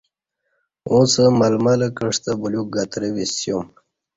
اُݩڅ ململہ کعستہ بلیوک گترہ بِسیوم